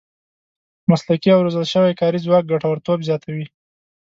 مسلکي او روزل شوی کاري ځواک ګټورتوب زیاتوي.